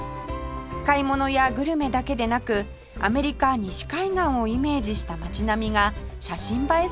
買い物やグルメだけでなくアメリカ西海岸をイメージした街並みが写真映え